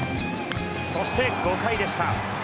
そして５回でした。